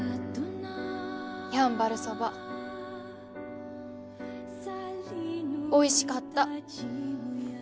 やんばるそばおいしかった。